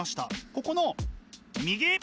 ここの右！